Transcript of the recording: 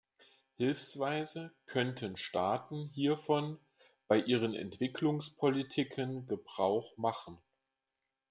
Hilfsweise könnten Staaten hiervon bei ihren Entwicklungspolitiken Gebrauch machen.